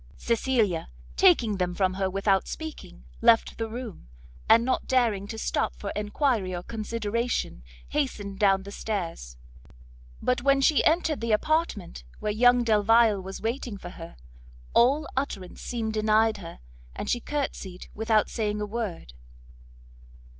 Cecilia, taking them from her without speaking, left the room, and not daring to stop for enquiry or consideration, hastened down stairs; but when she entered the apartment where young Delvile was waiting for her, all utterance seemed denied her, and she courtsied without saying a word.